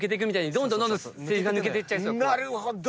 なるほど。